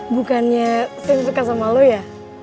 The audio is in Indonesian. bukannya saya suka sama lo ya